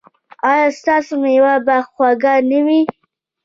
ایا ستاسو میوه به خوږه نه وي؟